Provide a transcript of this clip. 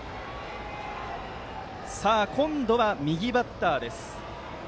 さあ、今度は右バッターです。